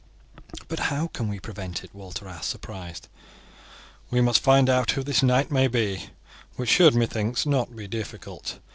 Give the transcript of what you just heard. "But how can we prevent it?" Walter asked, surprised. "We must find out who this knight may be, which should, methinks, not be difficult.